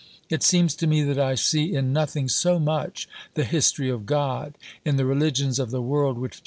It seems to me that I see in nothing so much the history of God in the religions of the world which M.